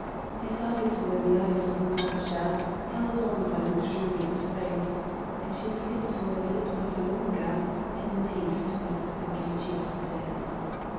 His eyes were the eyes of a watcher Held on by luxurious faith, And his lips were the lips of a longer Amazed with the beauty of Death.